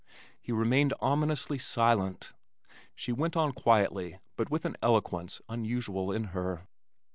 He remained ominously silent. She went on quietly but with an eloquence unusual in her.